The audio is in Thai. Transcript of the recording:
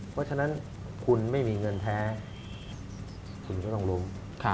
เพราะฉะนั้นคุณไม่มีเงินแท้คุณก็ต้องรู้